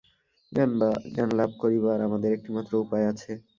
জ্ঞানলাভ করিবার আমাদের একটি মাত্র উপায় আছে।